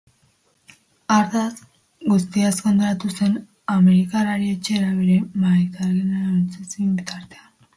Hartaz guztiaz konturatu zen amerikarrari etxera, bere maitalearengana, laguntzen zion bitartean.